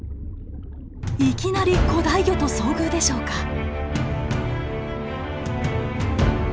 いきなり古代魚と遭遇でしょうか？